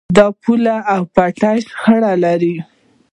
د پولې او پټي شخړه لرئ؟